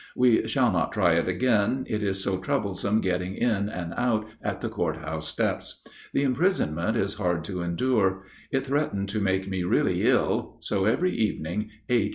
We shall not try it again, it is so troublesome getting in and out at the court house steps. The imprisonment is hard to endure. It threatened to make me really ill, so every evening H.